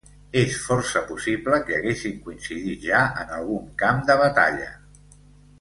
És força possible que haguessin coincidit ja en algun camp de batalla.